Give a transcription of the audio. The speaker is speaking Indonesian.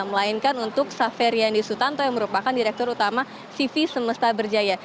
melainkan untuk safer yandhi sutanto yang merupakan direktur utama sivi semesta berjaya